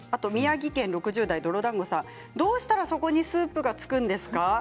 宮城県６０代の方はどうしたらそこにスープがつくんですか。